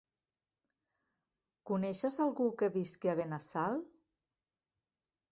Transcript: Coneixes algú que visqui a Benassal?